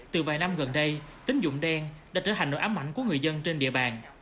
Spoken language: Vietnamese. từ vài năm gần đây tính dụng đen đã trở thành nỗi ám ảnh của người dân trên địa bàn